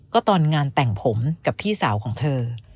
ก็ตอนงานแต่งผมกับพี่สาวของเธอ